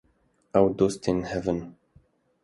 Ew dostên hev in